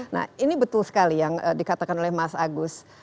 nah ini betul sekali yang dikatakan oleh mas agus